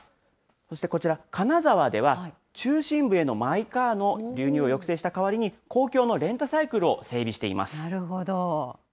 そしてこちら、金沢では中心部へのマイカーの流入を抑制した代わりに、公共のレなるほど。